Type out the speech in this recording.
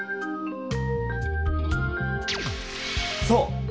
そう！